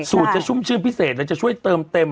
จะชุ่มชื่นพิเศษแล้วจะช่วยเติมเต็ม